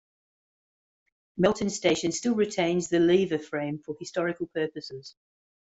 Melton station still retains the lever frame for historical purposes.